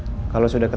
tepat di sekianter